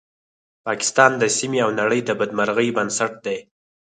پاکستان د سیمې او نړۍ د بدمرغۍ بنسټ دی